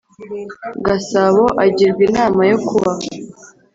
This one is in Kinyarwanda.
Gasabo agirwa inama yo kuba